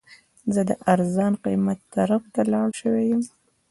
زه د ارزان قیمت طرف ته لاړ شوی یم.